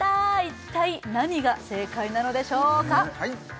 一体何が正解なのでしょうか